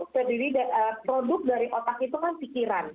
terdiri produk dari otak itu kan pikiran